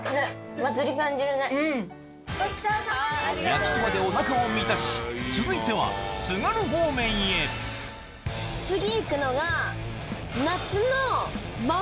焼きそばでお腹を満たし続いては津軽方面へ次行くのが。